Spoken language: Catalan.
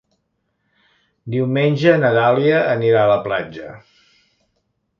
Diumenge na Dàlia anirà a la platja.